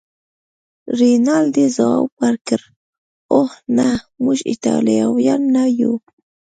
رینالډي ځواب ورکړ: اوه، نه، موږ ایټالویان نه یو.